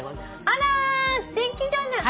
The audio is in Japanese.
あらすてきじゃない。